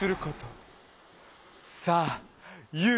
さあゆう